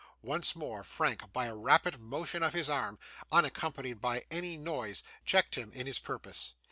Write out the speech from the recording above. Once more, Frank, by a rapid motion of his arm, unaccompanied by any noise, checked him in his purpose.